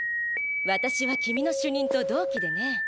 私は君の主任と同期でね。